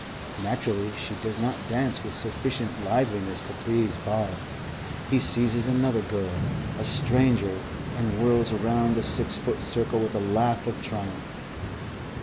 Naturally she does not dance with sufficient liveliness to please Bob; he seizes another girl, a stranger, and whirls round the six foot circle with a laugh of triumph.